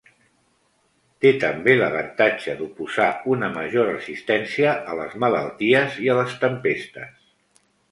Té també l'avantatge d'oposar una major resistència a les malalties i a les tempestes.